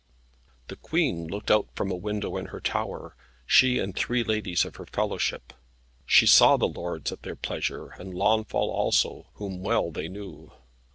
The Queen looked out from a window in her tower, she and three ladies of her fellowship. They saw the lords at their pleasure, and Launfal also, whom well they knew.